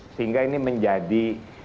sehingga ini menjadi